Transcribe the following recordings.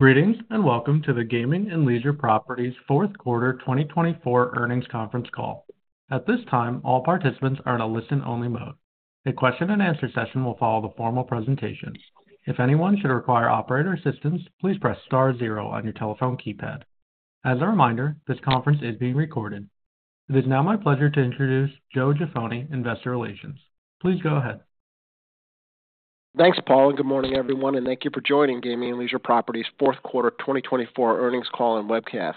Greetings and welcome to the Gaming and Leisure Properties fourth quarter 2024 earnings conference call. At this time, all participants are in a listen-only mode. A question-and-answer session will follow the formal presentation. If anyone should require operator assistance, please press star zero on your telephone keypad. As a reminder, this conference is being recorded. It is now my pleasure to introduce Joe Jaffoni, Investor Relations. Please go ahead. Thanks, Paul, and good morning, everyone, and thank you for joining Gaming and Leisure Properties Fourth Quarter 2024 Earnings Call and Webcast.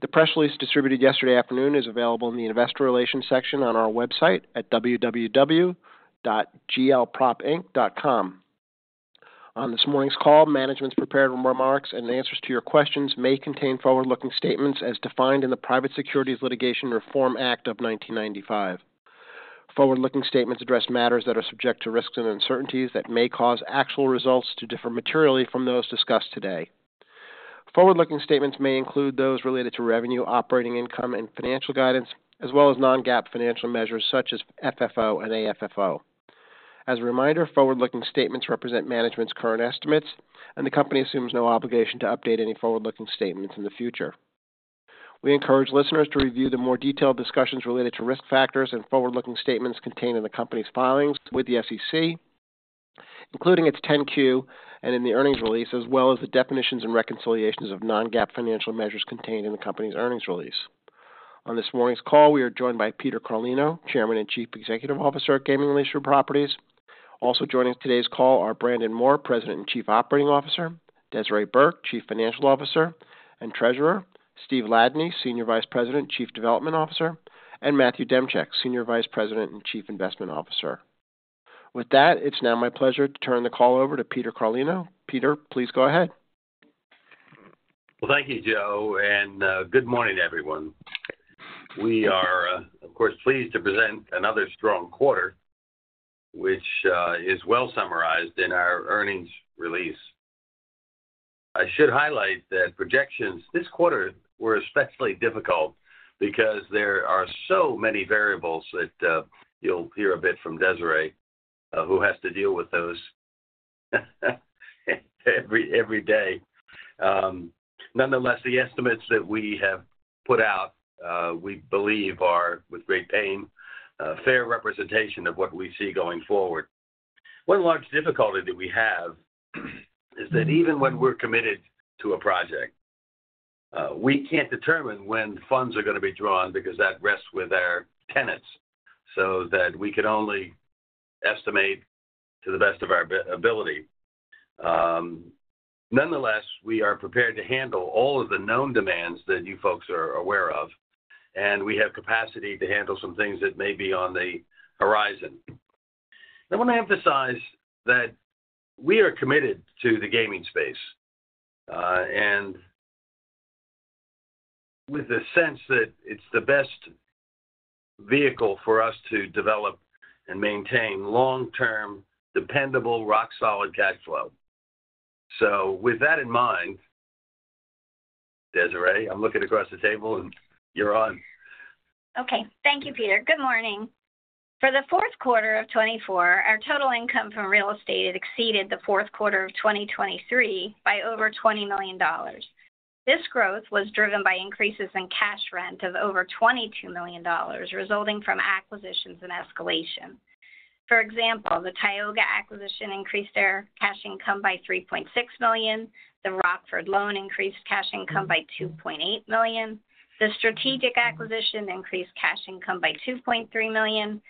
The press release distributed yesterday afternoon is available in the Investor Relations section on our website at www.glpropinc.com. On this morning's call, management's prepared remarks and answers to your questions may contain forward-looking statements as defined in the Private Securities Litigation Reform Act of 1995. Forward-looking statements address matters that are subject to risks and uncertainties that may cause actual results to differ materially from those discussed today. Forward-looking statements may include those related to revenue, operating income, and financial guidance, as well as non-GAAP financial measures such as FFO and AFFO. As a reminder, forward-looking statements represent management's current estimates, and the company assumes no obligation to update any forward-looking statements in the future. We encourage listeners to review the more detailed discussions related to risk factors and forward-looking statements contained in the company's filings with the SEC, including its 10-Q and in the earnings release, as well as the definitions and reconciliations of non-GAAP financial measures contained in the company's earnings release. On this morning's call, we are joined by Peter Carlino, Chairman and Chief Executive Officer at Gaming and Leisure Properties. Also joining today's call are Brandon Moore, President and Chief Operating Officer, Desiree Burke, Chief Financial Officer and Treasurer, Steve Ladany, Senior Vice President and Chief Development Officer, and Matthew Demchyk, Senior Vice President and Chief Investment Officer. With that, it's now my pleasure to turn the call over to Peter Carlino. Peter, please go ahead. Thank you, Joe, and good morning, everyone. We are, of course, pleased to present another strong quarter, which is well summarized in our earnings release. I should highlight that projections this quarter were especially difficult because there are so many variables that you'll hear a bit from Desiree, who has to deal with those every day. Nonetheless, the estimates that we have put out, we believe, are with great pain, a fair representation of what we see going forward. One large difficulty that we have is that even when we're committed to a project, we can't determine when funds are going to be drawn because that rests with our tenants, so that we can only estimate to the best of our ability. Nonetheless, we are prepared to handle all of the known demands that you folks are aware of, and we have capacity to handle some things that may be on the horizon. I want to emphasize that we are committed to the gaming space and with the sense that it's the best vehicle for us to develop and maintain long-term, dependable, rock-solid cash flow. So with that in mind, Desiree, I'm looking across the table, and you're on. Okay. Thank you, Peter. Good morning. For the fourth quarter of 2024, our total income from real estate exceeded the fourth quarter of 2023 by over $20 million. This growth was driven by increases in cash rent of over $22 million, resulting from acquisitions and escalation. For example, the Tioga acquisition increased our cash income by $3.6 million. The Rockford loan increased cash income by $2.8 million. The Saratoga acquisition increased cash income by $2.3 million.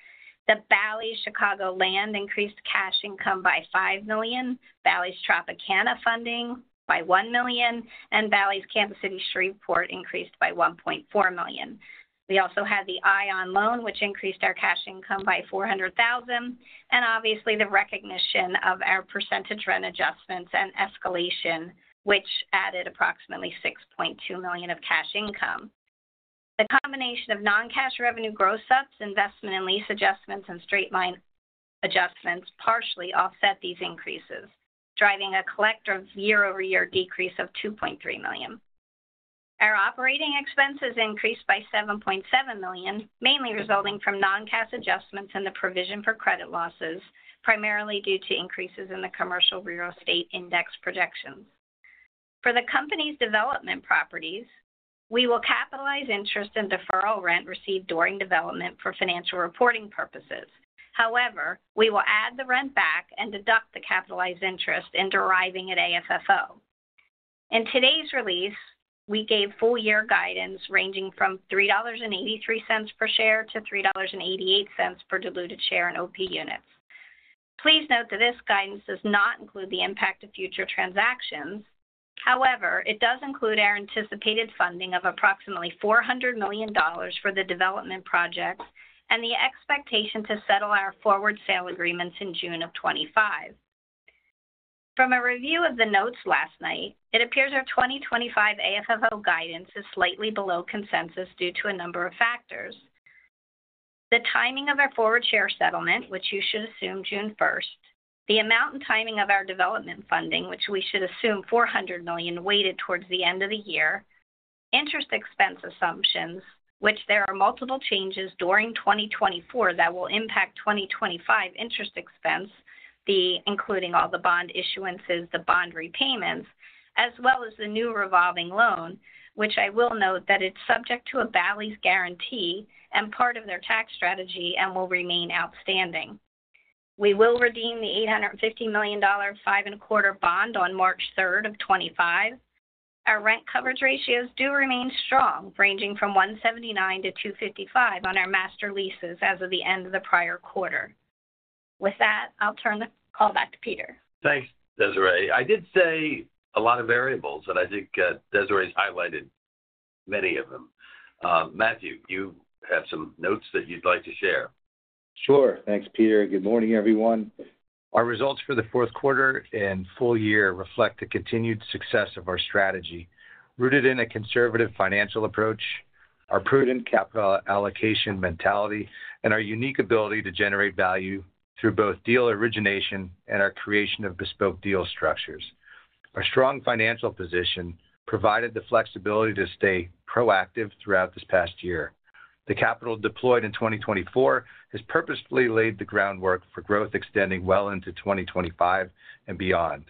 The Bally's Chicago land increased cash income by $5 million. Bally's Tropicana funding by $1 million. And Bally's Kansas City Shreveport increased by $1.4 million. We also had the Ione loan, which increased our cash income by $400,000. And obviously, the recognition of our percentage rent adjustments and escalation, which added approximately $6.2 million of cash income. The combination of non-cash revenue growths, investment and lease adjustments, and straight-line adjustments partially offset these increases, driving a collective year-over-year decrease of $2.3 million. Our operating expenses increased by $7.7 million, mainly resulting from non-cash adjustments in the provision for credit losses, primarily due to increases in the commercial real estate index projections. For the company's development properties, we will capitalize interest and deferred rent received during development for financial reporting purposes. However, we will add the rent back and deduct the capitalized interest in deriving an AFFO. In today's release, we gave full-year guidance ranging from $3.83 per share to $3.88 per diluted share in OP units. Please note that this guidance does not include the impact of future transactions. However, it does include our anticipated funding of approximately $400 million for the development projects and the expectation to settle our forward sale agreements in June of 2025. From a review of the notes last night, it appears our 2025 AFFO guidance is slightly below consensus due to a number of factors. The timing of our forward share settlement, which you should assume June 1st, the amount and timing of our development funding, which we should assume $400 million, weighted towards the end of the year, interest expense assumptions, which there are multiple changes during 2024 that will impact 2025 interest expense, including all the bond issuances, the bond repayments, as well as the new revolving loan, which I will note that it's subject to a Bally's guarantee and part of their tax strategy and will remain outstanding. We will redeem the $850 million five-and-a-quarter bond on March 3rd of 2025. Our rent coverage ratios do remain strong, ranging from 1.79 to 2.55 on our master leases as of the end of the prior quarter. With that, I'll turn the call back to Peter. Thanks, Desiree. I did say a lot of variables, and I think Desiree's highlighted many of them. Matthew, you have some notes that you'd like to share. Sure. Thanks, Peter. Good morning, everyone. Our results for the fourth quarter and full year reflect the continued success of our strategy rooted in a conservative financial approach, our prudent capital allocation mentality, and our unique ability to generate value through both deal origination and our creation of bespoke deal structures. Our strong financial position provided the flexibility to stay proactive throughout this past year. The capital deployed in 2024 has purposefully laid the groundwork for growth extending well into 2025 and beyond.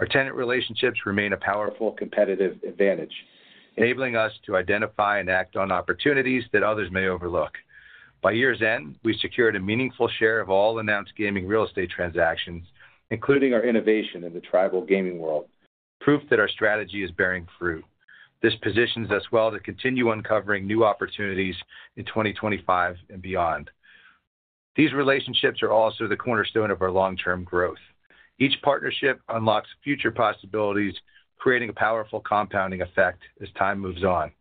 Our tenant relationships remain a powerful competitive advantage, enabling us to identify and act on opportunities that others may overlook. By year's end, we secured a meaningful share of all announced gaming real estate transactions, including our innovation in the tribal gaming world, proof that our strategy is bearing fruit. This positions us well to continue uncovering new opportunities in 2025 and beyond. These relationships are also the cornerstone of our long-term growth. Each partnership unlocks future possibilities, creating a powerful compounding effect as time moves on.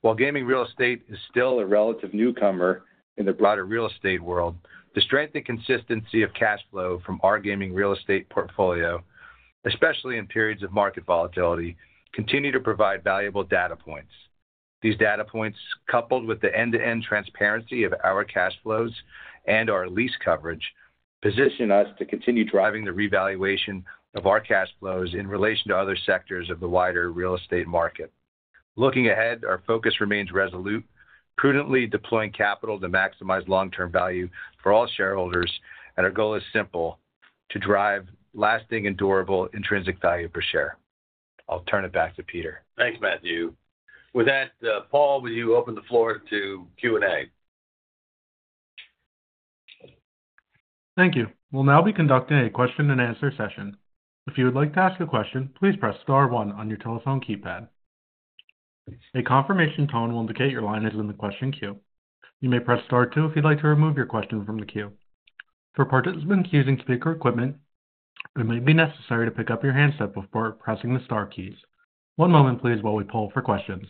While gaming real estate is still a relative newcomer in the broader real estate world, the strength and consistency of cash flow from our gaming real estate portfolio, especially in periods of market volatility, continue to provide valuable data points. These data points, coupled with the end-to-end transparency of our cash flows and our lease coverage, position us to continue driving the revaluation of our cash flows in relation to other sectors of the wider real estate market. Looking ahead, our focus remains resolute, prudently deploying capital to maximize long-term value for all shareholders, and our goal is simple: to drive lasting, endurable intrinsic value per share. I'll turn it back to Peter. Thanks, Matthew. With that, Paul, would you open the floor to Q&A? Thank you. We'll now be conducting a question-and-answer session. If you would like to ask a question, please press star one on your telephone keypad. A confirmation tone will indicate your line is in the question queue. You may press star two if you'd like to remove your question from the queue. For participants using speaker equipment, it may be necessary to pick up your handset before pressing the star keys. One moment, please, while we poll for questions.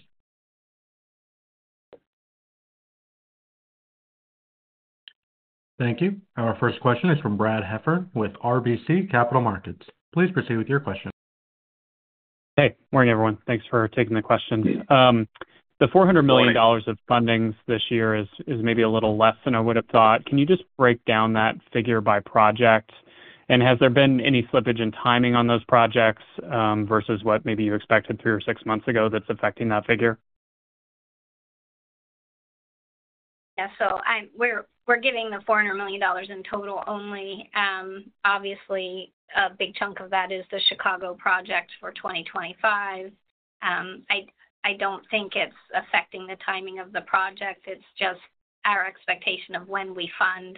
Thank you. Our first question is from Brad Heffern with RBC Capital Markets. Please proceed with your question. Hey. Morning, everyone. Thanks for taking the question. The $400 million of fundings this year is maybe a little less than I would have thought. Can you just break down that figure by project? And has there been any slippage in timing on those projects versus what maybe you expected three or six months ago that's affecting that figure? Yeah. So we're giving the $400 million in total only. Obviously, a big chunk of that is the Chicago project for 2025. I don't think it's affecting the timing of the project. It's just our expectation of when we fund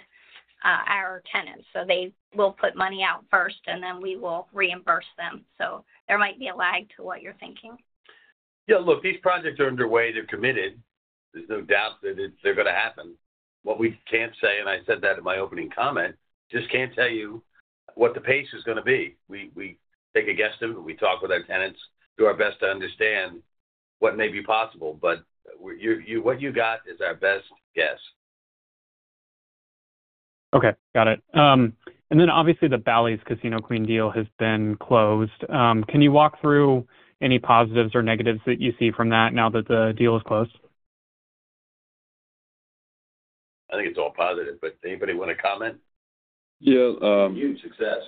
our tenants. So they will put money out first, and then we will reimburse them. So there might be a lag to what you're thinking. Yeah. Look, these projects are underway. They're committed. There's no doubt that they're going to happen. What we can't say, and I said that in my opening comment, just can't tell you what the pace is going to be. We take a guesstimate. We talk with our tenants, do our best to understand what may be possible. But what you got is our best guess. Okay. Got it. And then obviously, the Bally's Casino Queen deal has been closed. Can you walk through any positives or negatives that you see from that now that the deal is closed? I think it's all positive. But anybody want to comment? Yeah. Huge success.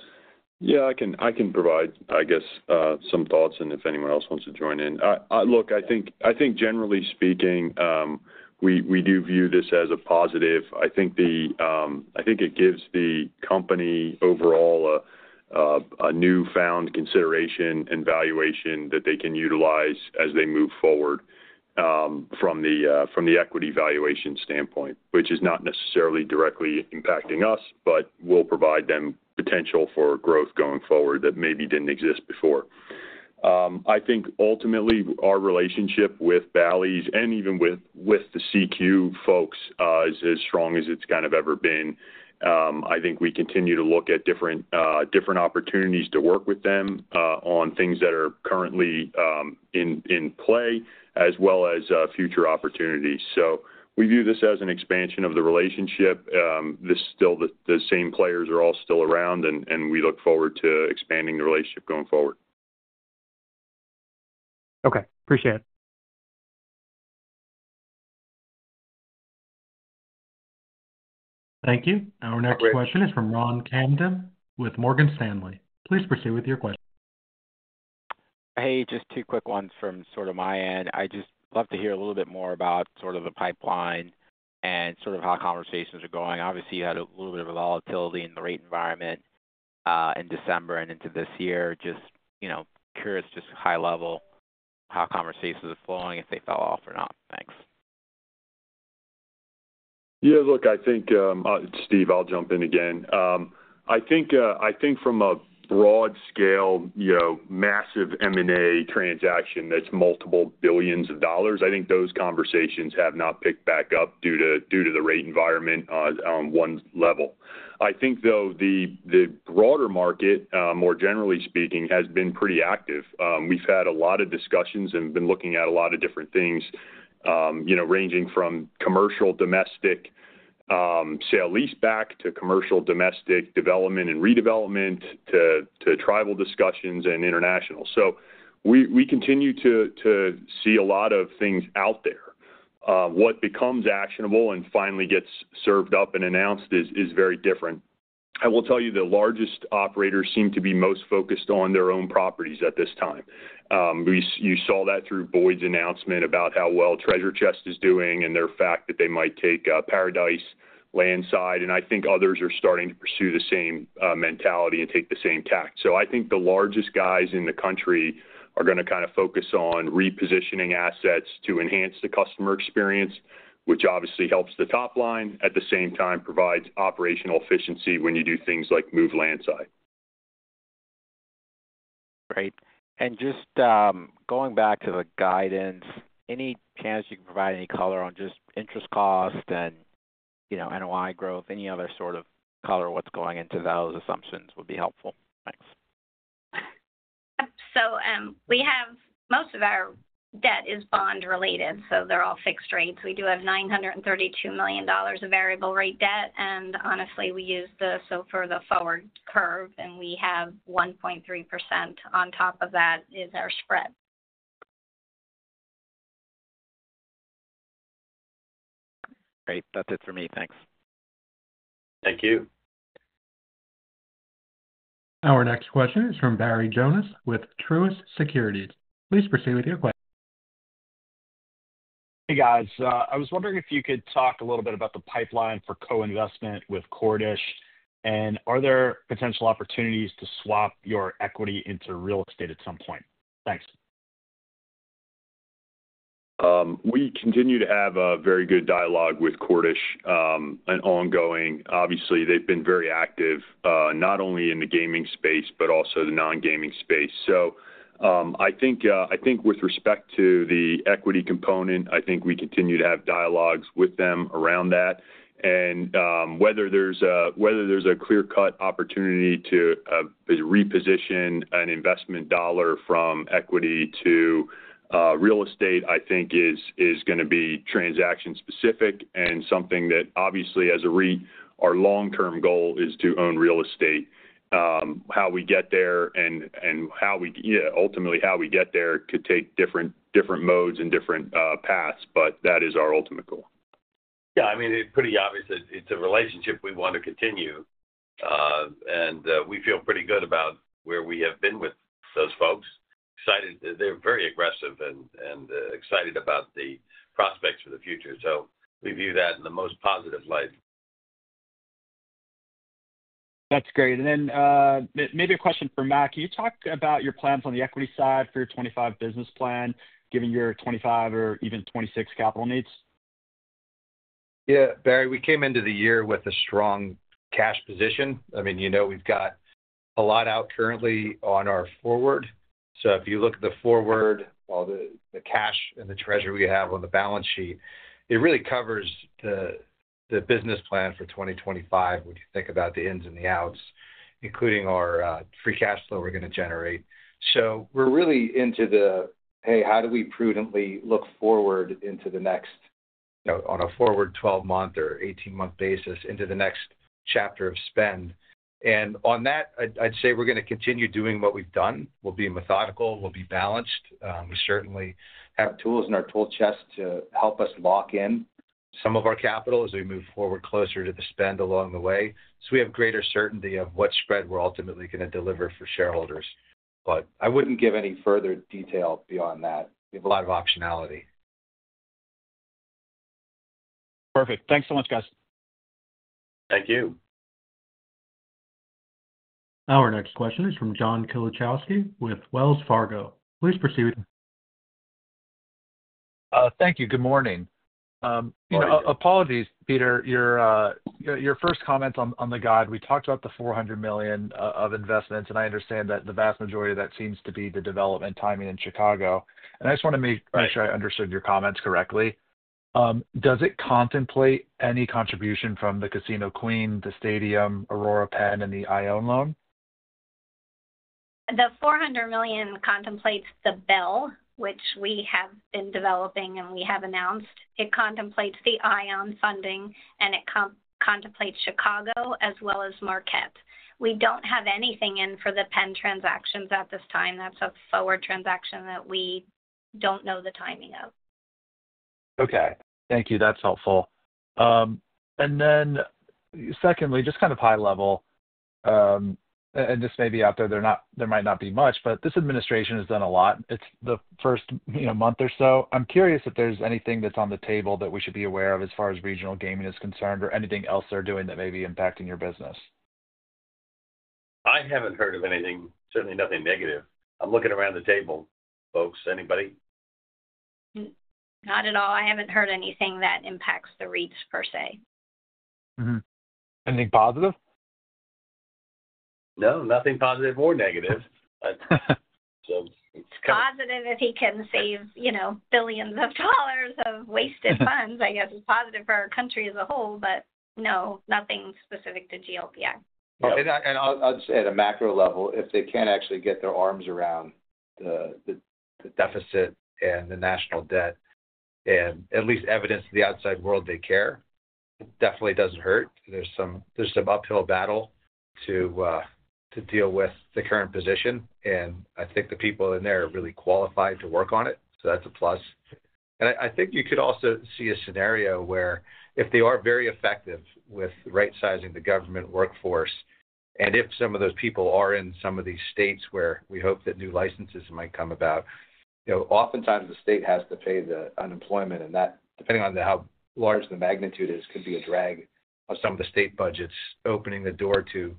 Yeah. I can provide, I guess, some thoughts and if anyone else wants to join in. Look, I think generally speaking, we do view this as a positive. I think it gives the company overall a newfound consideration and valuation that they can utilize as they move forward from the equity valuation standpoint, which is not necessarily directly impacting us, but will provide them potential for growth going forward that maybe didn't exist before. I think ultimately, our relationship with Bally's and even with the CQ folks is as strong as it's kind of ever been. I think we continue to look at different opportunities to work with them on things that are currently in play as well as future opportunities. So we view this as an expansion of the relationship. Still, the same players are all still around, and we look forward to expanding the relationship going forward. Okay. Appreciate it. Thank you. Our next question is from Ron Kamdem with Morgan Stanley. Please proceed with your question. Hey, just two quick ones from sort of my end. I'd just love to hear a little bit more about sort of the pipeline and sort of how conversations are going. Obviously, you had a little bit of volatility in the rate environment in December and into this year. Just curious, just high level, how conversations are flowing, if they fell off or not. Thanks. Yeah. Look, I think, Steve, I'll jump in again. I think from a broad-scale, massive M&A transaction that's multiple billions of dollars, I think those conversations have not picked back up due to the rate environment on one level. I think, though, the broader market, more generally speaking, has been pretty active. We've had a lot of discussions and been looking at a lot of different things ranging from commercial domestic sale-leaseback to commercial domestic development and redevelopment to tribal discussions and international. So we continue to see a lot of things out there. What becomes actionable and finally gets served up and announced is very different. I will tell you the largest operators seem to be most focused on their own properties at this time. You saw that through Boyd's announcement about how well Treasure Chest is doing and their fact that they might take Par-A-Dice landside. And I think others are starting to pursue the same mentality and take the same tack. So I think the largest guys in the country are going to kind of focus on repositioning assets to enhance the customer experience, which obviously helps the top line at the same time provides operational efficiency when you do things like move land side. Great. And just going back to the guidance, any chance you can provide any color on just interest cost and NOI growth? Any other sort of color on what's going into those assumptions would be helpful. Thanks. So, most of our debt is bond-related, so they're all fixed rates. We do have $932 million of variable-rate debt. And honestly, we use the SOFR, the forward curve, and we have 1.3% on top of that, is our spread. Great. That's it for me. Thanks. Thank you. Our next question is from Barry Jonas with Truist Securities. Please proceed with your question. Hey, guys. I was wondering if you could talk a little bit about the pipeline for co-investment with Cordish and are there potential opportunities to swap your equity into real estate at some point? Thanks. We continue to have a very good dialogue with Cordish, and ongoing. Obviously, they've been very active not only in the gaming space but also the non-gaming space. I think with respect to the equity component, I think we continue to have dialogues with them around that. Whether there's a clear-cut opportunity to reposition an investment dollar from equity to real estate, I think, is going to be transaction-specific and something that obviously, as a REIT, our long-term goal is to own real estate. How we get there and ultimately how we get there could take different modes and different paths, but that is our ultimate goal. Yeah. I mean, it's pretty obvious that it's a relationship we want to continue. And we feel pretty good about where we have been with those folks. Excited. They're very aggressive and excited about the prospects for the future. So we view that in the most positive light. That's great. And then maybe a question for Matt. Can you talk about your plans on the equity side for your 2025 business plan, given your 2025 or even 2026 capital needs? Yeah. Barry, we came into the year with a strong cash position. I mean, we've got a lot out currently on our forward. So if you look at the forward, well, the cash and the treasury we have on the balance sheet, it really covers the business plan for 2025 when you think about the ins and the outs, including our free cash flow we're going to generate. So we're really into the, "Hey, how do we prudently look forward into the next on a forward 12-month or 18-month basis into the next chapter of spend?" And on that, I'd say we're going to continue doing what we've done. We'll be methodical. We'll be balanced. We certainly have tools in our tool chest to help us lock in some of our capital as we move forward closer to the spend along the way. So we have greater certainty of what spread we're ultimately going to deliver for shareholders. But I wouldn't give any further detail beyond that. We have a lot of optionality. Perfect. Thanks so much, guys. Thank you. Our next question is from John Kilichowski with Wells Fargo. Please proceed. Thank you. Good morning. Apologies, Peter. Your first comment on the guide, we talked about the $400 million of investments, and I understand that the vast majority of that seems to be the development timing in Chicago. I just want to make sure I understood your comments correctly. Does it contemplate any contribution from the Casino Queen, the stadium, Aurora Penn, and the Ione loan? The $400 million contemplates the Belle, which we have been developing and we have announced. It contemplates the Ione funding, and it contemplates Chicago as well as Marquette. We don't have anything in for the Penn transactions at this time. That's a forward transaction that we don't know the timing of. Okay. Thank you. That's helpful. And then secondly, just kind of high level, and this may be out there, there might not be much, but this administration has done a lot the first month or so. I'm curious if there's anything that's on the table that we should be aware of as far as regional gaming is concerned or anything else they're doing that may be impacting your business. I haven't heard of anything. Certainly nothing negative. I'm looking around the table, folks. Anybody? Not at all. I haven't heard anything that impacts the REITs per se. Anything positive? No. Nothing positive or negative. So it's kind of. Positive if he can save billions of dollars of wasted funds, I guess, is positive for our country as a whole, but no, nothing specific to GLPI. And I'll just say at a macro level, if they can't actually get their arms around the deficit and the national debt and at least evidence to the outside world they care, it definitely doesn't hurt. There's some uphill battle to deal with the current position. And I think the people in there are really qualified to work on it. So that's a plus. And I think you could also see a scenario where if they are very effective with right-sizing the government workforce, and if some of those people are in some of these states where we hope that new licenses might come about, oftentimes the state has to pay the unemployment. And that, depending on how large the magnitude is, could be a drag on some of the state budgets, opening the door to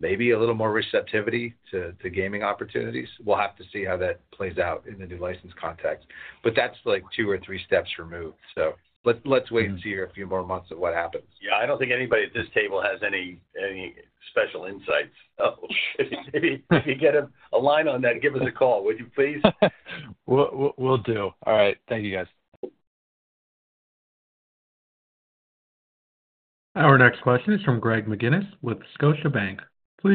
maybe a little more receptivity to gaming opportunities. We'll have to see how that plays out in the new license context. But that's like two or three steps removed. So let's wait and see here a few more months of what happens. Yeah. I don't think anybody at this table has any special insights. If you get a line on that, give us a call. Would you please? Will do. All right. Thank you, guys. Our next question is from Greg McGinnis with Scotiabank. Please proceed with your.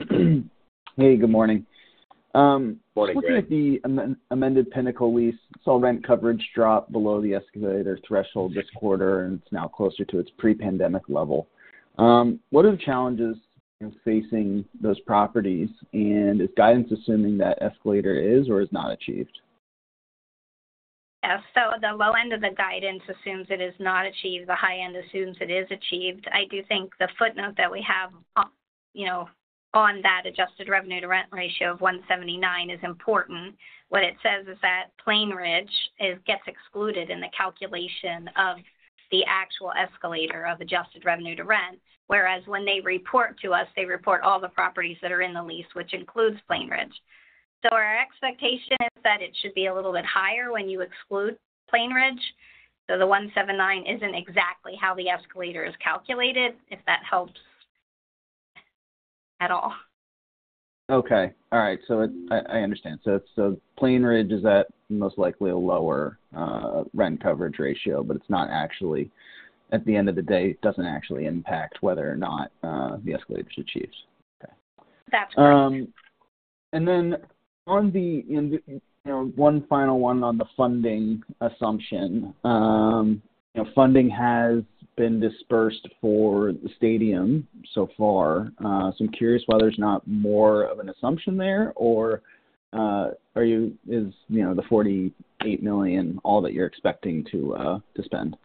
Hey, good morning. Morning, Greg. Looking at the amended Pinnacle lease, saw rent coverage drop below the escalator threshold this quarter, and it's now closer to its pre-pandemic level. What are the challenges facing those properties? And is guidance assuming that escalator is or is not achieved? Yeah. So the low end of the guidance assumes it is not achieved. The high end assumes it is achieved. I do think the footnote that we have on that adjusted revenue-to-rent ratio of 179 is important. What it says is that Plainridge gets excluded in the calculation of the actual escalator of adjusted revenue-to-rent, whereas when they report to us, they report all the properties that are in the lease, which includes Plainridge. So our expectation is that it should be a little bit higher when you exclude Plainridge. So the 179 isn't exactly how the escalator is calculated, if that helps at all. Okay. All right. So I understand. So Plainridge is at most likely a lower rent coverage ratio, but it's not actually, at the end of the day, it doesn't actually impact whether or not the escalator is achieved. Okay. That's correct. On the one final one on the funding assumption, funding has been dispersed for the stadium so far. I'm curious why there's not more of an assumption there, or is the $48 million all that you're expecting to spend?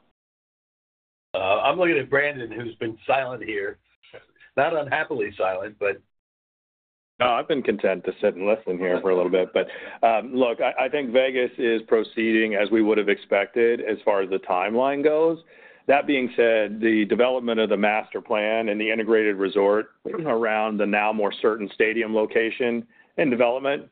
I'm looking at Brandon, who's been silent here. Not unhappily silent, but. No, I've been content to sit and listen here for a little bit. But look, I think Vegas is proceeding as we would have expected as far as the timeline goes. That being said, the development of the master plan and the integrated resort around the now more certain stadium location and development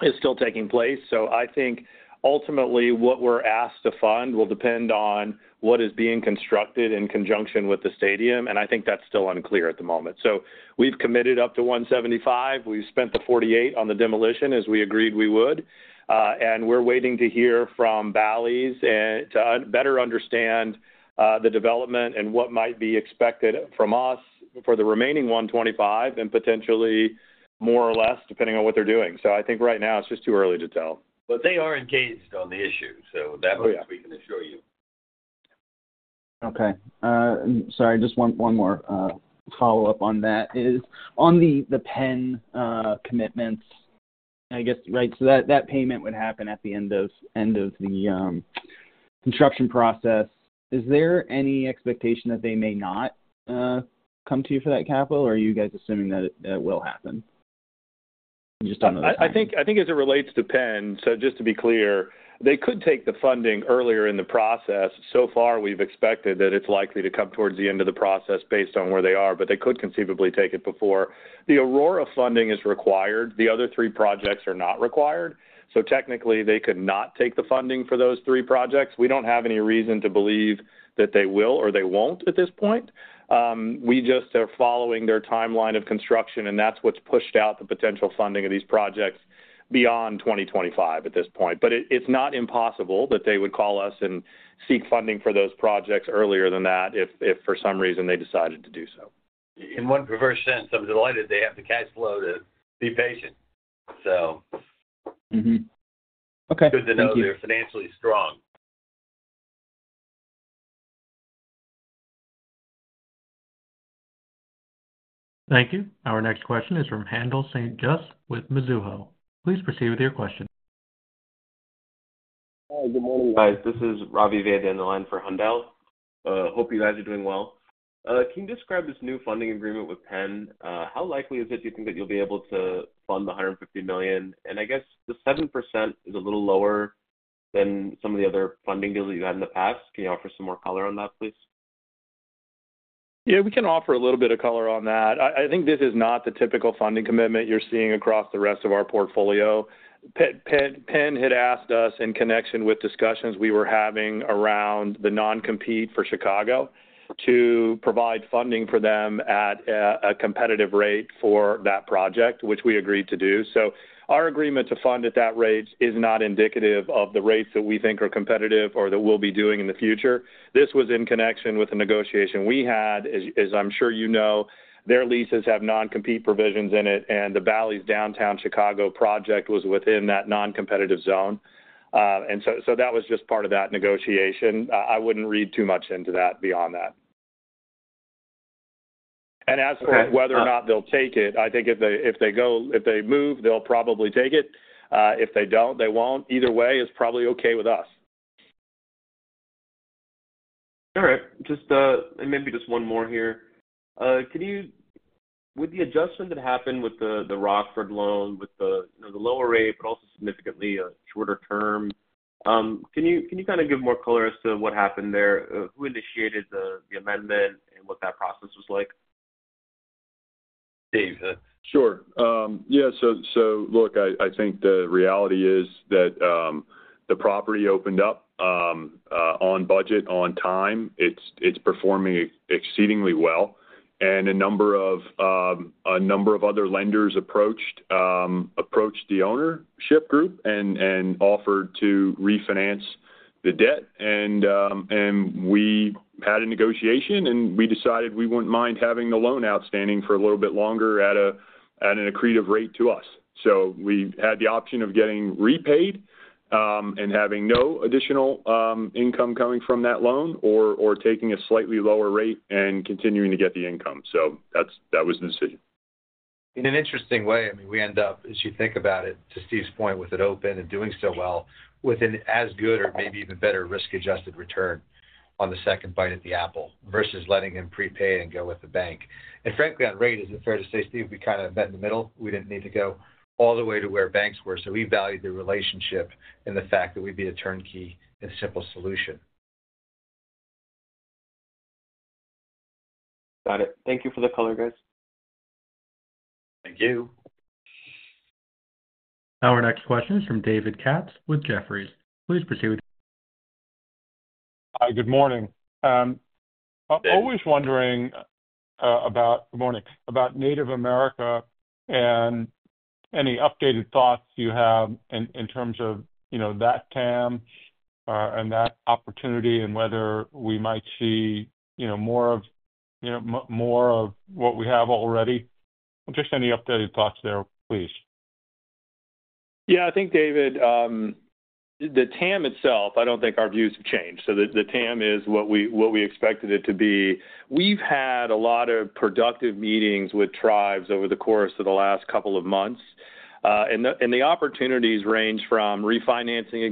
is still taking place. So I think ultimately what we're asked to fund will depend on what is being constructed in conjunction with the stadium. And I think that's still unclear at the moment. So we've committed up to $175. We've spent the $48 on the demolition as we agreed we would. And we're waiting to hear from Bally's to better understand the development and what might be expected from us for the remaining $125 and potentially more or less, depending on what they're doing. So I think right now it's just too early to tell. But they are engaged on the issue. So that much we can assure you. Okay. Sorry. Just one more follow-up on that. On the Penn commitments, I guess, right? So that payment would happen at the end of the construction process. Is there any expectation that they may not come to you for that capital, or are you guys assuming that it will happen? Just on those questions. I think as it relates to Penn, so just to be clear, they could take the funding earlier in the process. So far, we've expected that it's likely to come towards the end of the process based on where they are, but they could conceivably take it before the Aurora funding is required. The other three projects are not required. So technically, they could not take the funding for those three projects. We don't have any reason to believe that they will or they won't at this point. We just are following their timeline of construction, and that's what's pushed out the potential funding of these projects beyond 2025 at this point. But it's not impossible that they would call us and seek funding for those projects earlier than that if for some reason they decided to do so. In one perverse sense, I'm delighted they have the cash flow to be patient. So good to know they're financially strong. Thank you. Our next question is from Haendel St. Juste with Mizuho. Please proceed with your question. Hi. Good morning, guys. This is Ravi Vaidya on the line for Handel. Hope you guys are doing well. Can you describe this new funding agreement with Penn? How likely is it do you think that you'll be able to fund the $150 million? And I guess the 7% is a little lower than some of the other funding deals that you've had in the past. Can you offer some more color on that, please? Yeah. We can offer a little bit of color on that. I think this is not the typical funding commitment you're seeing across the rest of our portfolio. Penn had asked us in connection with discussions we were having around the non-compete for Chicago to provide funding for them at a competitive rate for that project, which we agreed to do. So our agreement to fund at that rate is not indicative of the rates that we think are competitive or that we'll be doing in the future. This was in connection with a negotiation we had. As I'm sure you know, their leases have non-compete provisions in it, and the Bally's Downtown Chicago project was within that non-competitive zone. And so that was just part of that negotiation. I wouldn't read too much into that beyond that. And as for whether or not they'll take it, I think if they move, they'll probably take it. If they don't, they won't. Either way, it's probably okay with us. All right. And maybe just one more here. With the adjustment that happened with the Rockford loan with the lower rate, but also significantly shorter term, can you kind of give more color as to what happened there? Who initiated the amendment and what that process was like? Steve. Sure. Yeah. So look, I think the reality is that the property opened up on budget, on time. It's performing exceedingly well. And a number of other lenders approached the ownership group and offered to refinance the debt. And we had a negotiation, and we decided we wouldn't mind having the loan outstanding for a little bit longer at an accretive rate to us. So we had the option of getting repaid and having no additional income coming from that loan or taking a slightly lower rate and continuing to get the income. So that was the decision. In an interesting way, I mean, we end up, as you think about it, to Steve's point, with it open and doing so well with an as good or maybe even better risk-adjusted return on the second bite at the apple versus letting him prepay and go with the bank, and frankly, on rate, is it fair to say, Steve, we kind of met in the middle? We didn't need to go all the way to where banks were, so we valued the relationship and the fact that we'd be a turnkey and simple solution. Got it. Thank you for the color, guys. Thank you. Our next question is from David Katz with Jefferies. Please proceed. Hi. Good morning. Always wondering about Native America and any updated thoughts you have in terms of that TAM and that opportunity and whether we might see more of what we have already. Just any updated thoughts there, please. Yeah. I think, David, the TAM itself, I don't think our views have changed. So the TAM is what we expected it to be. We've had a lot of productive meetings with tribes over the course of the last couple of months. And the opportunities range from refinancing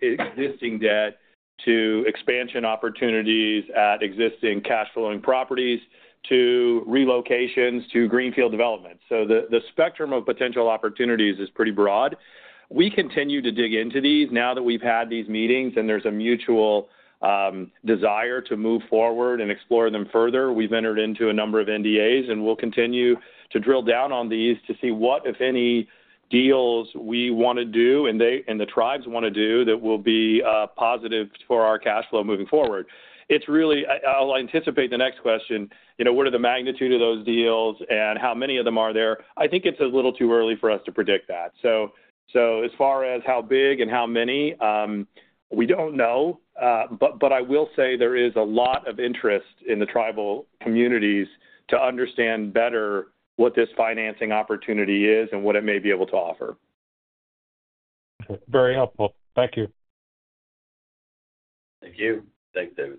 existing debt to expansion opportunities at existing cash-flowing properties to relocations to greenfield development. So the spectrum of potential opportunities is pretty broad. We continue to dig into these now that we've had these meetings and there's a mutual desire to move forward and explore them further. We've entered into a number of NDAs, and we'll continue to drill down on these to see what, if any, deals we want to do and the tribes want to do that will be positive for our cash flow moving forward. I'll anticipate the next question. What are the magnitude of those deals and how many of them are there? I think it's a little too early for us to predict that. So as far as how big and how many, we don't know. But I will say there is a lot of interest in the tribal communities to understand better what this financing opportunity is and what it may be able to offer. Very helpful. Thank you. Thank you. Thanks, David.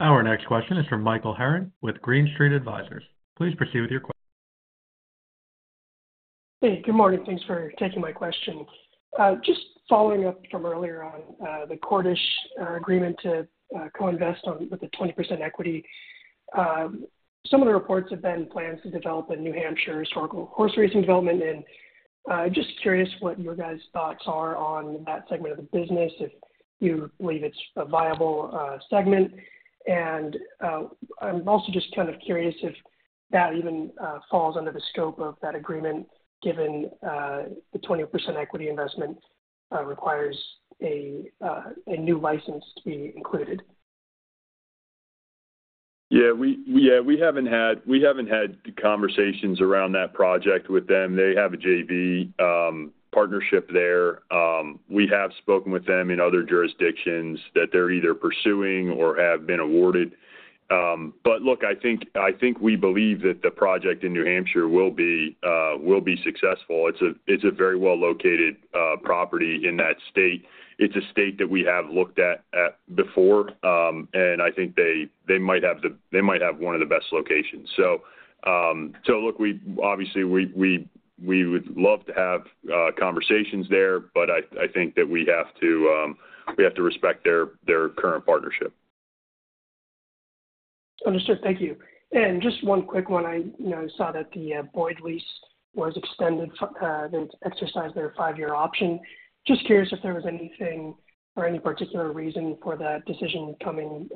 Our next question is from Michael Herring with Green Street Advisors. Please proceed with your question. Hey, good morning. Thanks for taking my question. Just following up from earlier on, the Cordish agreement to co-invest with the 20% equity. Some of the reports have been plans to develop a New Hampshire historical horse racing development. Just curious what your guys' thoughts are on that segment of the business, if you believe it's a viable segment. I'm also just kind of curious if that even falls under the scope of that agreement, given the 20% equity investment requires a new license to be included. Yeah. Yeah. We haven't had conversations around that project with them. They have a JV partnership there. We have spoken with them in other jurisdictions that they're either pursuing or have been awarded. But look, I think we believe that the project in New Hampshire will be successful. It's a very well-located property in that state. It's a state that we have looked at before, and I think they might have one of the best locations. So look, obviously, we would love to have conversations there, but I think that we have to respect their current partnership. Understood. Thank you, and just one quick one. I saw that the Boyd lease was extended to exercise their five-year option. Just curious if there was anything or any particular reason for that decision coming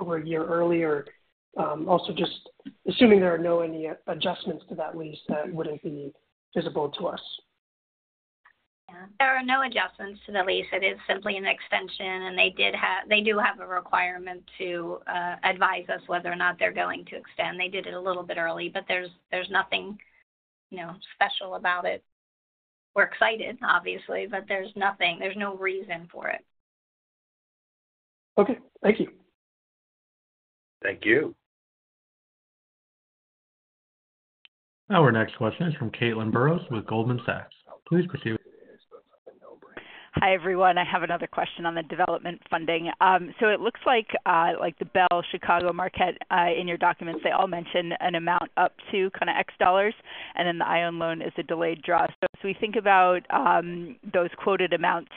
over a year earlier? Also, just assuming there are no adjustments to that lease, that wouldn't be visible to us. There are no adjustments to the lease. It is simply an extension, and they do have a requirement to advise us whether or not they're going to extend. They did it a little bit early, but there's nothing special about it. We're excited, obviously, but there's no reason for it. Okay. Thank you. Thank you. Our next question is from Caitlin Burrows with Goldman Sachs. Please proceed. Hi, everyone. I have another question on the development funding. So it looks like the Bally's Chicago, Marquette in your documents, they all mention an amount up to kind of $X, and then the Ione loan is a delayed draw. So as we think about those quoted amounts,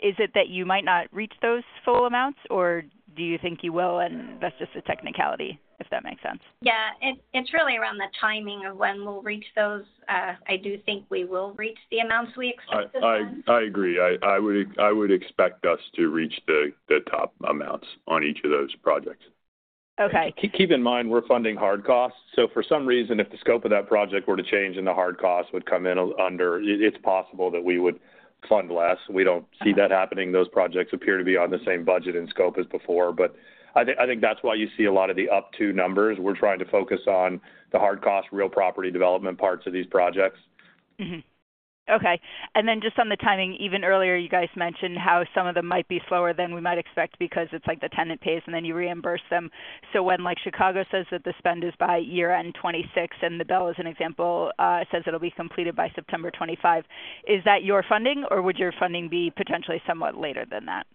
is it that you might not reach those full amounts, or do you think you will? And that's just a technicality, if that makes sense. Yeah. It's really around the timing of when we'll reach those. I do think we will reach the amounts we expect to see. I agree. I would expect us to reach the top amounts on each of those projects. Keep in mind, we're funding hard costs. So for some reason, if the scope of that project were to change and the hard costs would come in under, it's possible that we would fund less. We don't see that happening. Those projects appear to be on the same budget and scope as before. But I think that's why you see a lot of the up-to numbers. We're trying to focus on the hard cost real property development parts of these projects. Okay. And then just on the timing, even earlier, you guys mentioned how some of them might be slower than we might expect because it's like the tenant pays, and then you reimburse them. So when Chicago says that the spend is by year-end 2026, and the Belle, as an example, says it'll be completed by September 2025, is that your funding, or would your funding be potentially somewhat later than that?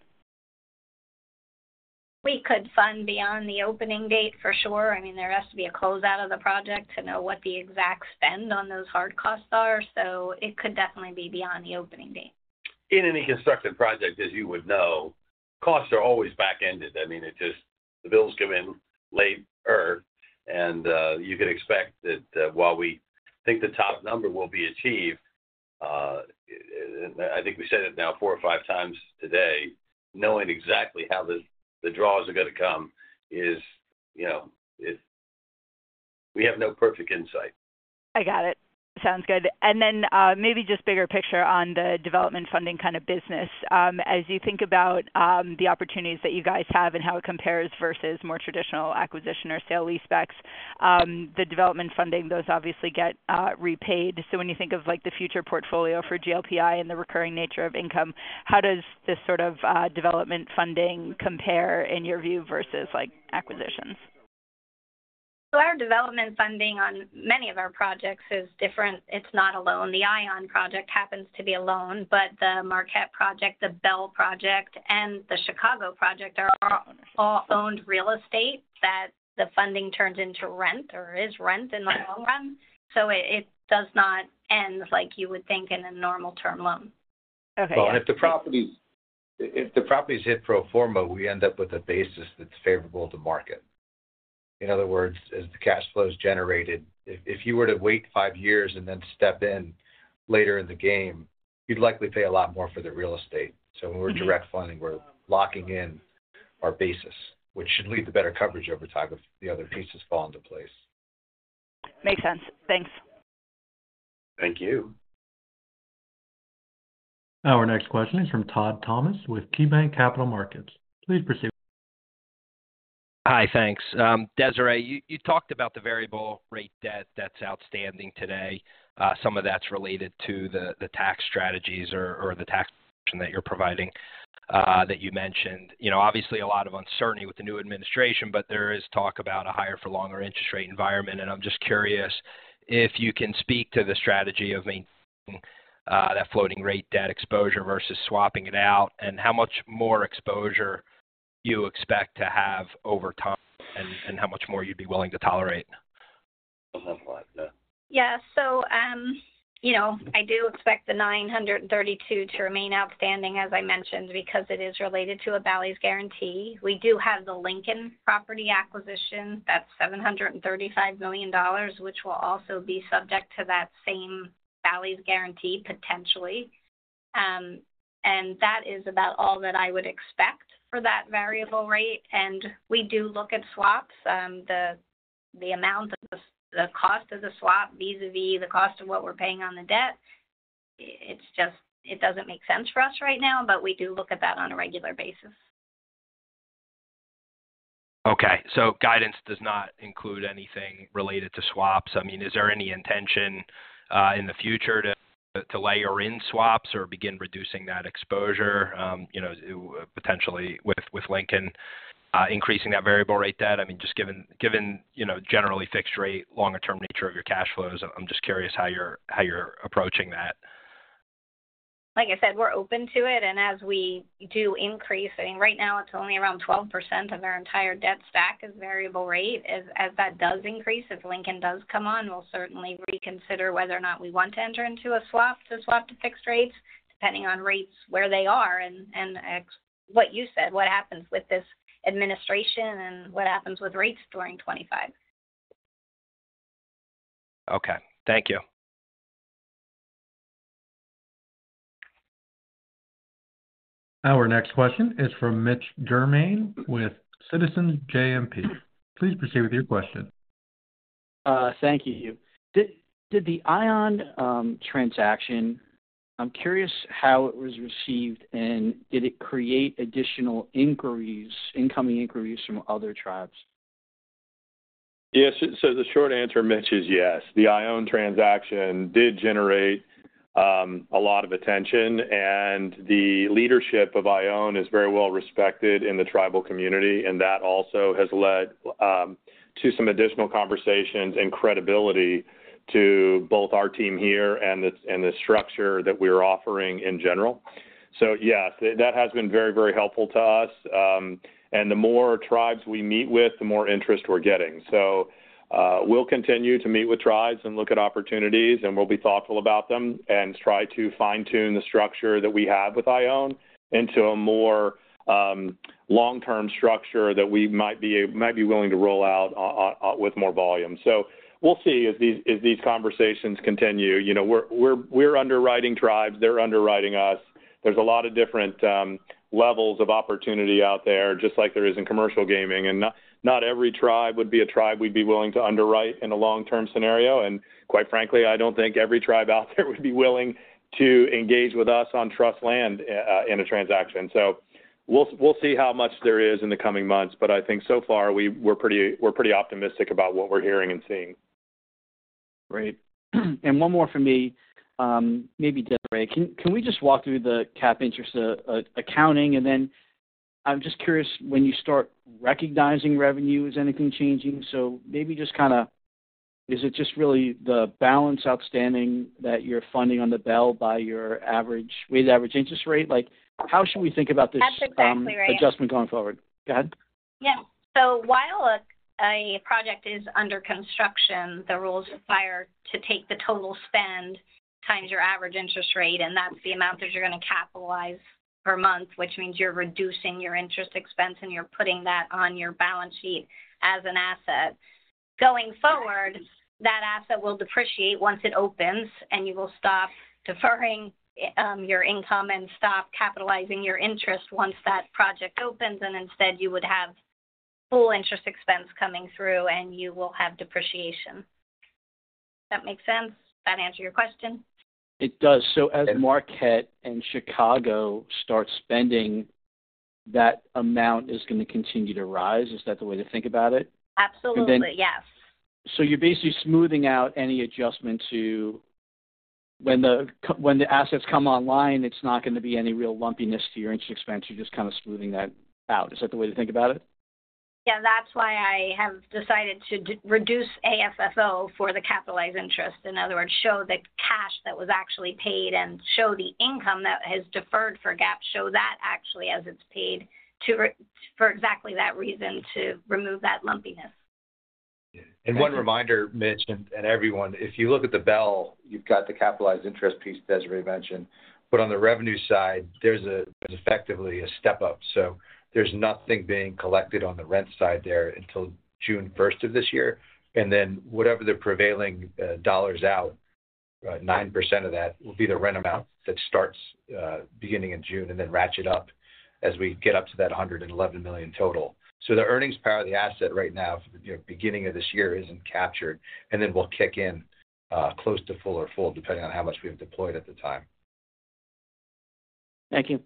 We could fund beyond the opening date, for sure. I mean, there has to be a closeout of the project to know what the exact spend on those hard costs are. So it could definitely be beyond the opening date. In any constructed project, as you would know, costs are always back-ended. I mean, the bills come in late, and you can expect that while we think the top number will be achieved, and I think we said it now four or five times today, knowing exactly how the draws are going to come is we have no perfect insight. I got it. Sounds good and then maybe just bigger picture on the development funding kind of business. As you think about the opportunities that you guys have and how it compares versus more traditional acquisition or sale-leasebacks, the development funding, those obviously get repaid, so when you think of the future portfolio for GLPI and the recurring nature of income, how does this sort of development funding compare in your view versus acquisitions? So our development funding on many of our projects is different. It's not a loan. The Ione project happens to be a loan, but the Marquette project, the Belle project, and the Chicago project are all owned real estate that the funding turns into rent or is rent in the long run. So it does not end like you would think in a normal term loan. If the properties hit pro forma, we end up with a basis that's favorable to market. In other words, as the cash flow is generated, if you were to wait five years and then step in later in the game, you'd likely pay a lot more for the real estate. So when we're direct funding, we're locking in our basis, which should lead to better coverage over time if the other pieces fall into place. Makes sense. Thanks. Thank you. Our next question is from Todd Thomas with KeyBanc Capital Markets. Please proceed. Hi. Thanks. Desiree, you talked about the variable rate debt that's outstanding today. Some of that's related to the tax strategies or the tax provision that you're providing that you mentioned. Obviously, a lot of uncertainty with the new administration, but there is talk about a higher-for-longer interest rate environment, and I'm just curious if you can speak to the strategy of maintaining that floating rate debt exposure versus swapping it out and how much more exposure you expect to have over time and how much more you'd be willing to tolerate. Yeah, so I do expect the 932 to remain outstanding, as I mentioned, because it is related to a Bally's guarantee. We do have the Lincoln property acquisition. That's $735 million, which will also be subject to that same Bally's guarantee, potentially. And that is about all that I would expect for that variable rate. And we do look at swaps. The amount of the cost of the swap vis-à-vis the cost of what we're paying on the debt, it doesn't make sense for us right now, but we do look at that on a regular basis. Okay. So guidance does not include anything related to swaps. I mean, is there any intention in the future to layer in swaps or begin reducing that exposure, potentially with Lincoln increasing that variable rate debt? I mean, just given generally fixed rate, longer-term nature of your cash flows, I'm just curious how you're approaching that. Like I said, we're open to it. And as we do increase, I mean, right now, it's only around 12% of our entire debt stack is variable rate. As that does increase, if Lincoln does come on, we'll certainly reconsider whether or not we want to enter into a swap to swap to fixed rates, depending on rates where they are and what you said, what happens with this administration and what happens with rates during 2025. Okay. Thank you. Our next question is from Mitch Germain with Citizens JMP. Please proceed with your question. Thank you, Hugh. Did the Ione transaction (I'm curious how it was received) and did it create additional incoming inquiries from other tribes? Yes. So the short answer, Mitch, is yes. The Ione transaction did generate a lot of attention, and the leadership of Ione is very well respected in the tribal community, and that also has led to some additional conversations and credibility to both our team here and the structure that we are offering in general, so yes, that has been very, very helpful to us, and the more tribes we meet with, the more interest we're getting, so we'll continue to meet with tribes and look at opportunities, and we'll be thoughtful about them and try to fine-tune the structure that we have with Ione into a more long-term structure that we might be willing to roll out with more volume, so we'll see as these conversations continue. We're underwriting tribes. They're underwriting us. There's a lot of different levels of opportunity out there, just like there is in commercial gaming. And not every tribe would be a tribe we'd be willing to underwrite in a long-term scenario. And quite frankly, I don't think every tribe out there would be willing to engage with us on trust land in a transaction. So we'll see how much there is in the coming months. But I think so far, we're pretty optimistic about what we're hearing and seeing. Great. And one more for me, maybe Desiree. Can we just walk through the cap interest accounting? And then I'm just curious, when you start recognizing revenue, is anything changing? So maybe just kind of—is it just really the balance outstanding that you're funding on the Belle by your average with average interest rate? How should we think about this from adjustment going forward? Go ahead. Yeah. So while a project is under construction, the rules require to take the total spend times your average interest rate, and that's the amount that you're going to capitalize per month, which means you're reducing your interest expense, and you're putting that on your balance sheet as an asset. Going forward, that asset will depreciate once it opens, and you will stop deferring your income and stop capitalizing your interest once that project opens. And instead, you would have full interest expense coming through, and you will have depreciation. That makes sense? Does that answer your question? It does. So as Marquette and Chicago start spending, that amount is going to continue to rise. Is that the way to think about it? Absolutely. Yes. So you're basically smoothing out any adjustment to when the assets come online. It's not going to be any real lumpiness to your interest expense. You're just kind of smoothing that out. Is that the way to think about it? Yeah. That's why I have decided to reduce AFFO for the capitalized interest. In other words, show the cash that was actually paid and show the income that has deferred for GAAP, show that actually as it's paid for exactly that reason to remove that lumpiness. One reminder, Mitch and everyone, if you look at the Belle, you've got the capitalized interest piece Desiree mentioned. But on the revenue side, there's effectively a step up. So there's nothing being collected on the rent side there until June 1st of this year. And then whatever the prevailing dollars out, 9% of that will be the rent amount that starts beginning in June and then ratchet up as we get up to that $111 million total. So the earnings power of the asset right now, beginning of this year, isn't captured. And then we'll kick in close to full or full, depending on how much we have deployed at the time. Thank you.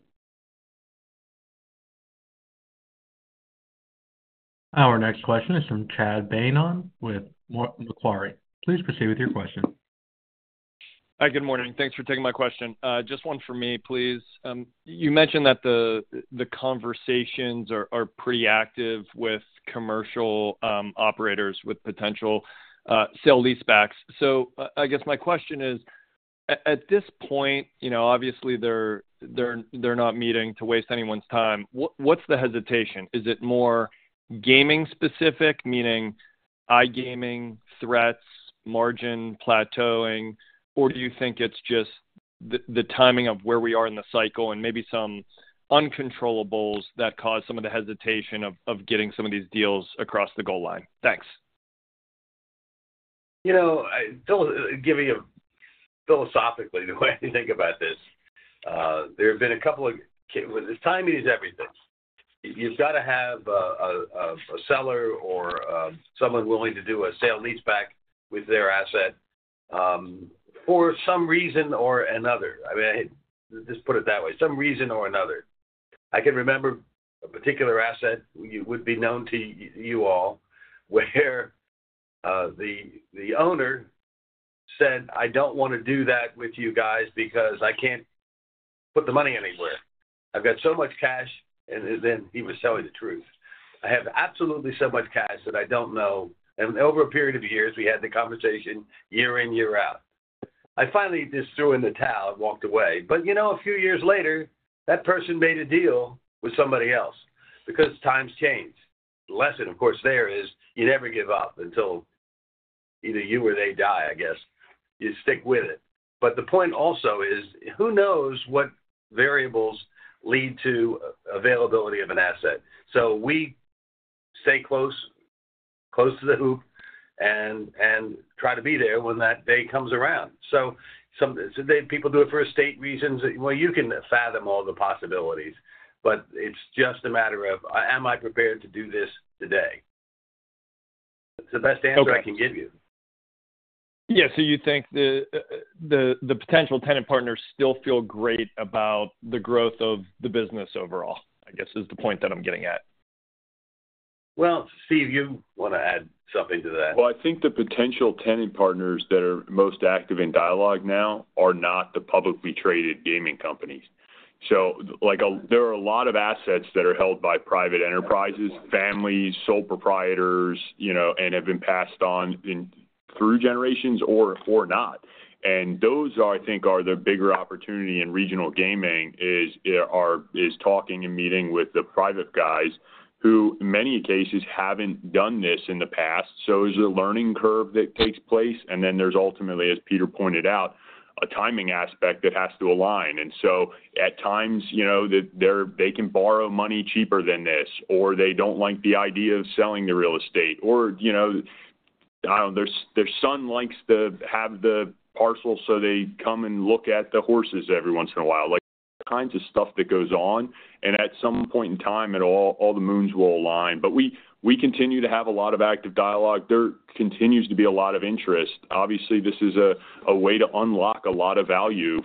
Our next question is from Chad Beynon with Macquarie. Please proceed with your question. Hi. Good morning. Thanks for taking my question. Just one for me, please. You mentioned that the conversations are pretty active with commercial operators with potential sale-leasebacks. So I guess my question is, at this point, obviously, they're not meeting to waste anyone's time. What's the hesitation? Is it more gaming-specific, meaning iGaming, threats, margin plateauing, or do you think it's just the timing of where we are in the cycle and maybe some uncontrollables that cause some of the hesitation of getting some of these deals across the goal line? Thanks. Giving you philosophically, the way I think about this, there have been a couple of. Timing is everything. You've got to have a seller or someone willing to do a sale lease back with their asset for some reason or another. I mean, just put it that way. Some reason or another. I can remember a particular asset that would be known to you all where the owner said, "I don't want to do that with you guys because I can't put the money anywhere. I've got so much cash." And then he was telling the truth. "I have absolutely so much cash that I don't know." And over a period of years, we had the conversation year in, year out. I finally just threw in the towel and walked away. But a few years later, that person made a deal with somebody else because times change. The lesson, of course, there is you never give up until either you or they die, I guess. You stick with it. But the point also is, who knows what variables lead to availability of an asset? So we stay close, close to the hoop, and try to be there when that day comes around. So people do it for estate reasons. Well, you can fathom all the possibilities, but it's just a matter of, am I prepared to do this today? It's the best answer I can give you. Yeah. So you think the potential tenant partners still feel great about the growth of the business overall, I guess, is the point that I'm getting at. Steve, you want to add something to that? I think the potential tenant partners that are most active in dialogue now are not the publicly traded gaming companies. So there are a lot of assets that are held by private enterprises, families, sole proprietors, and have been passed on through generations or not. And those are, I think, the bigger opportunity in regional gaming is talking and meeting with the private guys who, in many cases, haven't done this in the past. So there's a learning curve that takes place. And then there's ultimately, as Peter pointed out, a timing aspect that has to align. And so at times, they can borrow money cheaper than this, or they don't like the idea of selling the real estate. Or their son likes to have the parcel so they come and look at the horses every once in a while. Kinds of stuff that goes on. And at some point in time, all the moons will align. But we continue to have a lot of active dialogue. There continues to be a lot of interest. Obviously, this is a way to unlock a lot of value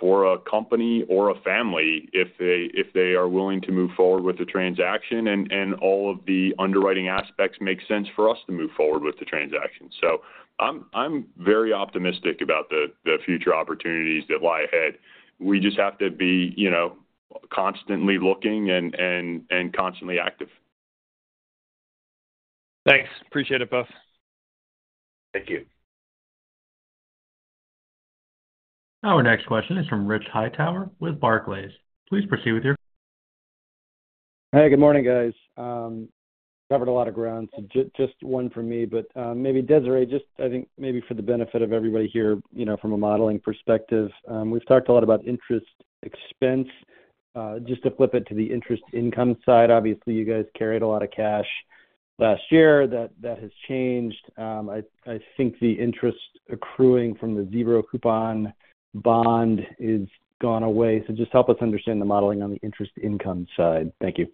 for a company or a family if they are willing to move forward with the transaction. And all of the underwriting aspects make sense for us to move forward with the transaction. So I'm very optimistic about the future opportunities that lie ahead. We just have to be constantly looking and constantly active. Thanks. Appreciate it, both. Thank you. Our next question is from Rich Hightower with Barclays. Please proceed with your. Hey. Good morning, guys. Covered a lot of ground. So just one for me. But maybe Desiree, just I think maybe for the benefit of everybody here from a modeling perspective, we've talked a lot about interest expense. Just to flip it to the interest income side, obviously, you guys carried a lot of cash last year. That has changed. I think the interest accruing from the zero-coupon bond is gone away. So just help us understand the modeling on the interest income side. Thank you.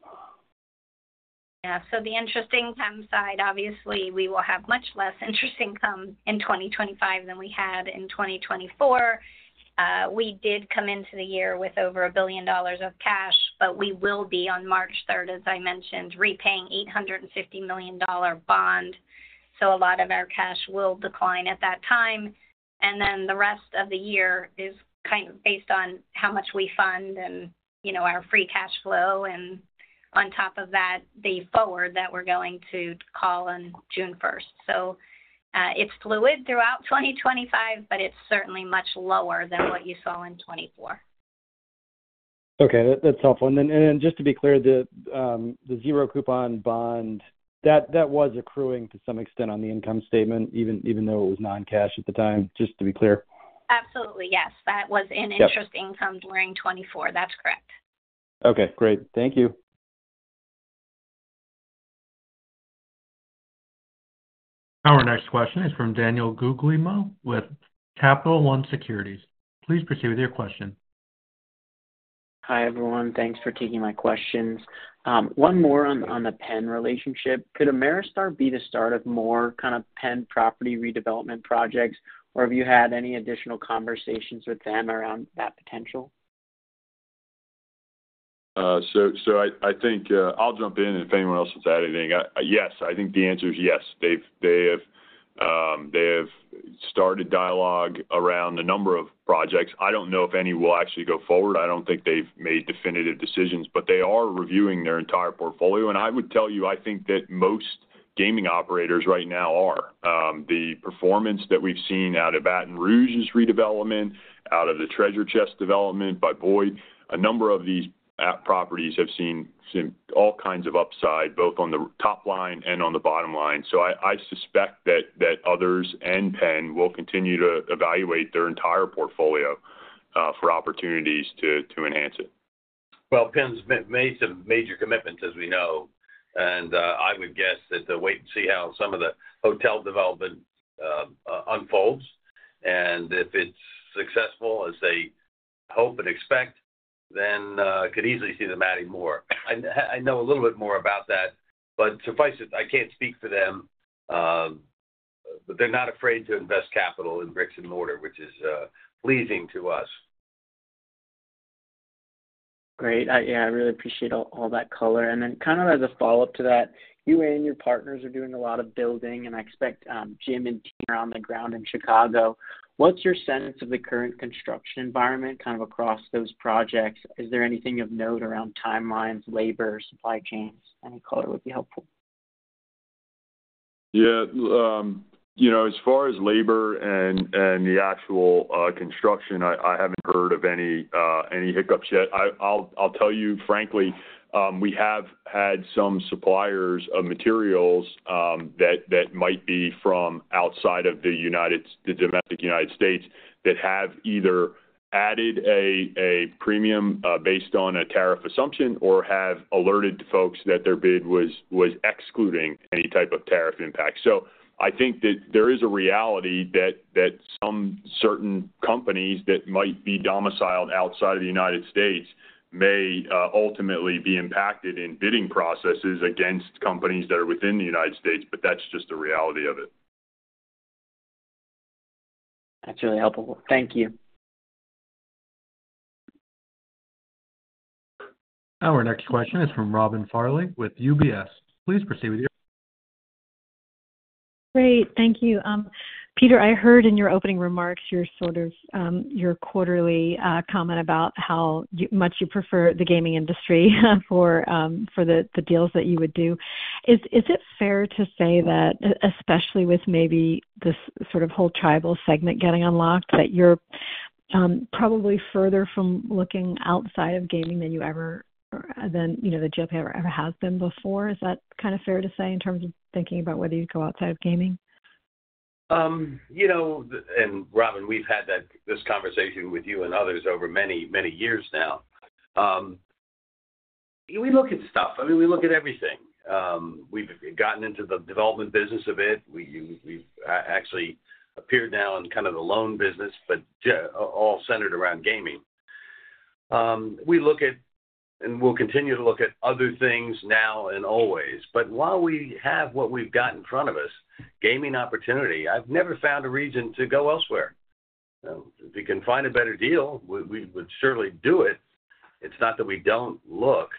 Yeah. So the interest income side, obviously, we will have much less interest income in 2025 than we had in 2024. We did come into the year with over $1 billion of cash, but we will be, on March 3rd, as I mentioned, repaying an $850 million bond. So a lot of our cash will decline at that time. And then the rest of the year is kind of based on how much we fund and our free cash flow. And on top of that, the forward that we're going to call on June 1st. So it's fluid throughout 2025, but it's certainly much lower than what you saw in 2024. Okay. That's helpful, and then just to be clear, the zero-coupon bond, that was accruing to some extent on the income statement, even though it was non-cash at the time, just to be clear. Absolutely. Yes. That was in interest income during 2024. That's correct. Okay. Great. Thank you. Our next question is from Daniel Guglielmo with Capital One Securities. Please proceed with your question. Hi, everyone. Thanks for taking my questions. One more on the Penn relationship. Could Ameristar be the start of more kind of Penn property redevelopment projects, or have you had any additional conversations with them around that potential? So I think I'll jump in if anyone else has had anything. Yes. I think the answer is yes. They have started dialogue around a number of projects. I don't know if any will actually go forward. I don't think they've made definitive decisions, but they are reviewing their entire portfolio. And I would tell you, I think that most gaming operators right now are. The performance that we've seen out of Baton Rouge's redevelopment, out of the Treasure Chest development by Boyd, a number of these properties have seen all kinds of upside, both on the top line and on the bottom line. So I suspect that others and Penn will continue to evaluate their entire portfolio for opportunities to enhance it. Well, Penn's made some major commitments, as we know. And I would guess that we'll wait and see how some of the hotel development unfolds. If it's successful, as they hope and expect, then I could easily see them adding more. I know a little bit more about that, but suffice it, I can't speak for them. They're not afraid to invest capital in bricks and mortar, which is pleasing to us. Great. Yeah. I really appreciate all that color. And then kind of as a follow-up to that, you and your partners are doing a lot of building, and I expect Jim and Tina are on the ground in Chicago. What's your sense of the current construction environment kind of across those projects? Is there anything of note around timelines, labor, supply chains? Any color would be helpful. Yeah. As far as labor and the actual construction, I haven't heard of any hiccups yet. I'll tell you frankly, we have had some suppliers of materials that might be from outside of the domestic United States that have either added a premium based on a tariff assumption or have alerted folks that their bid was excluding any type of tariff impact. So I think that there is a reality that some certain companies that might be domiciled outside of the United States may ultimately be impacted in bidding processes against companies that are within the United States, but that's just the reality of it. That's really helpful. Thank you. Our next question is from Robin Farley with UBS. Please proceed with your. Great. Thank you. Peter, I heard in your opening remarks your sort of quarterly comment about how much you prefer the gaming industry for the deals that you would do. Is it fair to say that, especially with maybe this sort of whole tribal segment getting unlocked, that you're probably further from looking outside of gaming than you ever than the GLPI ever has been before? Is that kind of fair to say in terms of thinking about whether you'd go outside of gaming? And Robin, we've had this conversation with you and others over many, many years now. We look at stuff. I mean, we look at everything. We've gotten into the development business a bit. We've actually appeared now in kind of the loan business, but all centered around gaming. We look at and we'll continue to look at other things now and always. But while we have what we've got in front of us, gaming opportunity, I've never found a reason to go elsewhere. If you can find a better deal, we would certainly do it. It's not that we don't look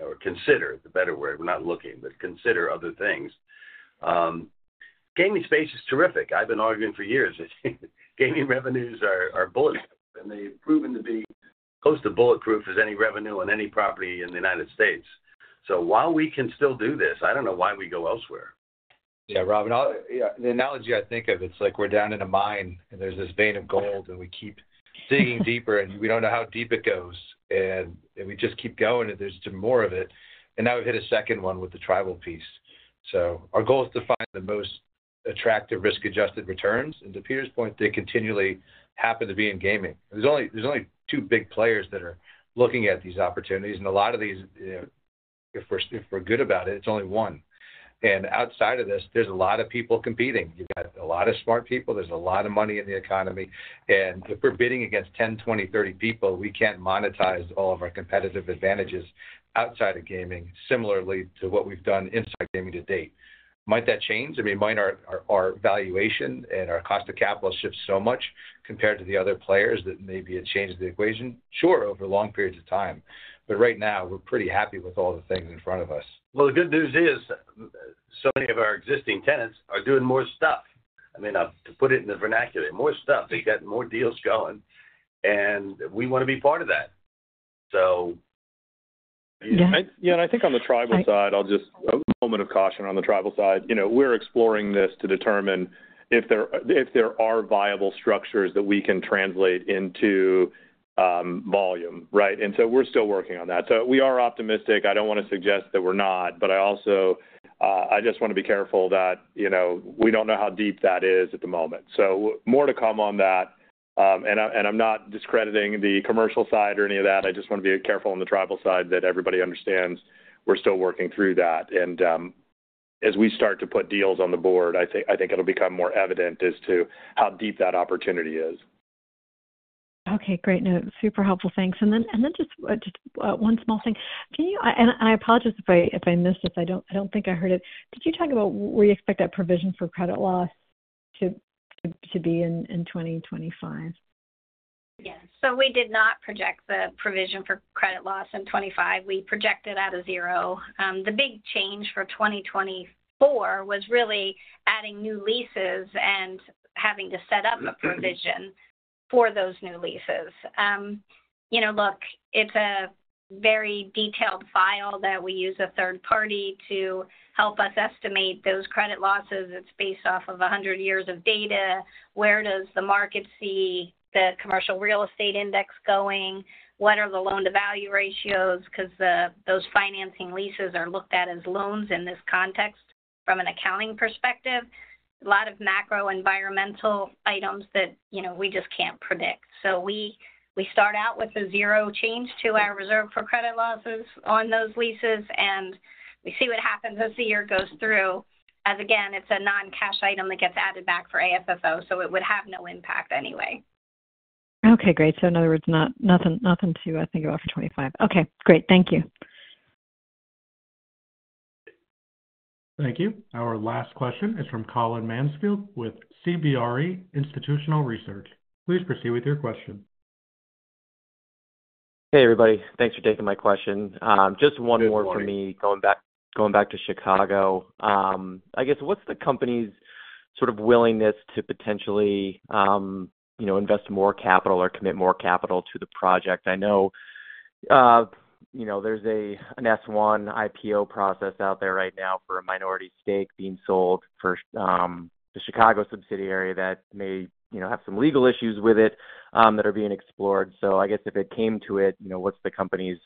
or consider the better way. We're not looking, but consider other things. Gaming space is terrific. I've been arguing for years that gaming revenues are bulletproof, and they've proven to be close to bulletproof as any revenue on any property in the United States. So while we can still do this, I don't know why we go elsewhere. Yeah, Robin. The analogy I think of, it's like we're down in a mine, and there's this vein of gold, and we keep digging deeper, and we don't know how deep it goes. And we just keep going, and there's more of it. And now we've hit a second one with the tribal piece. So our goal is to find the most attractive risk-adjusted returns. And to Peter's point, they continually happen to be in gaming. There's only two big players that are looking at these opportunities. And a lot of these, if we're good about it, it's only one. And outside of this, there's a lot of people competing. You've got a lot of smart people. There's a lot of money in the economy. And if we're bidding against 10, 20, 30 people, we can't monetize all of our competitive advantages outside of gaming, similarly to what we've done inside gaming to date. Might that change? I mean, might our valuation and our cost of capital shift so much compared to the other players that maybe it changes the equation? Sure, over long periods of time. But right now, we're pretty happy with all the things in front of us. The good news is so many of our existing tenants are doing more stuff. I mean, to put it in the vernacular, more stuff. They've got more deals going, and we want to be part of that. So. Yeah. And I think on the tribal side, I'll just add a moment of caution on the tribal side. We're exploring this to determine if there are viable structures that we can translate into volume, right? And so we're still working on that. So we are optimistic. I don't want to suggest that we're not, but I also just want to be careful that we don't know how deep that is at the moment. So more to come on that. And I'm not discrediting the commercial side or any of that. I just want to be careful on the tribal side that everybody understands we're still working through that. And as we start to put deals on the board, I think it'll become more evident as to how deep that opportunity is. Okay. Great. No, super helpful. Thanks. And then just one small thing. And I apologize if I missed this. I don't think I heard it. Did you talk about where you expect that provision for credit loss to be in 2025? Yeah. So we did not project the provision for credit loss in 2025. We projected at a zero. The big change for 2024 was really adding new leases and having to set up a provision for those new leases. Look, it's a very detailed file that we use a third party to help us estimate those credit losses. It's based off of 100 years of data. Where does the market see the commercial real estate index going? What are the loan-to-value ratios? Because those financing leases are looked at as loans in this context from an accounting perspective. A lot of macro environmental items that we just can't predict. So we start out with a zero change to our reserve for credit losses on those leases, and we see what happens as the year goes through. Again, it's a non-cash item that gets added back for AFFO, so it would have no impact anyway. Okay. Great. So in other words, nothing to, I think, of for 2025. Okay. Great. Thank you. Thank you. Our last question is from Colin Mansfield with CBRE Institutional Research. Please proceed with your question. Hey, everybody. Thanks for taking my question. Just one more for me. Going back to Chicago, I guess, what's the company's sort of willingness to potentially invest more capital or commit more capital to the project? I know there's an S-1 IPO process out there right now for a minority stake being sold for the Chicago subsidiary that may have some legal issues with it that are being explored. So I guess if it came to it, what's the company's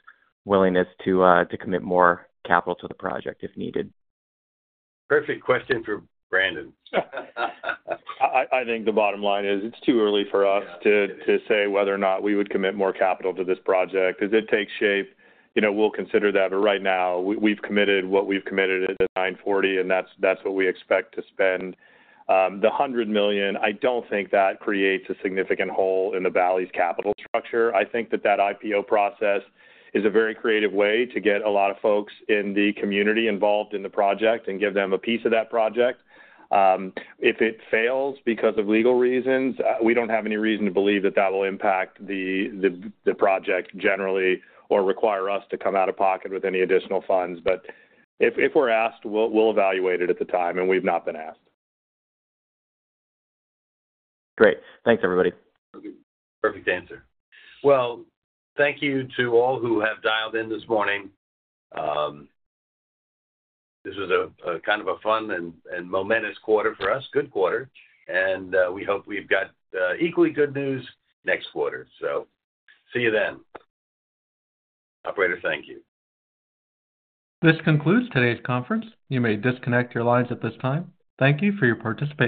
willingness to commit more capital to the project if needed? Perfect question for Brandon. I think the bottom line is it's too early for us to say whether or not we would commit more capital to this project as it takes shape. We'll consider that. But right now, we've committed what we've committed at the $940 million, and that's what we expect to spend. The $100 million, I don't think that creates a significant hole in the Bally's capital structure. I think that that IPO process is a very creative way to get a lot of folks in the community involved in the project and give them a piece of that project. If it fails because of legal reasons, we don't have any reason to believe that that will impact the project generally or require us to come out of pocket with any additional funds. But if we're asked, we'll evaluate it at the time, and we've not been asked. Great. Thanks, everybody. Perfect answer. Well, thank you to all who have dialed in this morning. This was a kind of a fun and momentous quarter for us, good quarter. And we hope we've got equally good news next quarter. So see you then. Operator, thank you. This concludes today's conference. You may disconnect your lines at this time. Thank you for your participation.